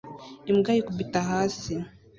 Imbwa yikubita hasi